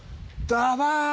ダバーン！